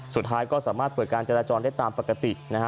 สุดท้ายก็สามารถเปิดการจราจรได้ตามปกตินะฮะ